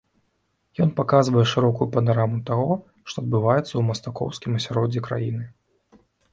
Ён паказвае шырокую панараму таго, што адбываецца ў мастакоўскім асяроддзі краіны.